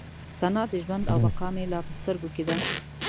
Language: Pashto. ثنا د ژوند او د بقا مې لا په سترګو کې ده.